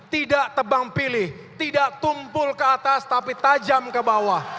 tidak tebang pilih tidak tumpul ke atas tapi tajam ke bawah